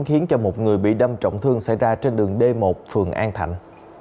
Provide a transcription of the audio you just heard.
khiến cho một người bị đâm trọng thương xảy ra trên đường d một phường an thạnh